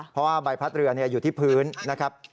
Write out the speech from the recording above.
เพราะว่าใบพัดเรืออยู่ที่พื้นนะครับ